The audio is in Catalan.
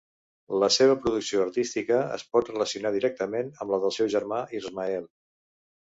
La seva producció artística es pot relacionar directament amb la del seu germà Ismael.